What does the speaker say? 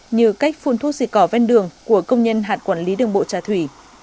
như cách phun thuốc diệt cỏ ven đường của công nhân hạt quản lý đường bộ trà thủy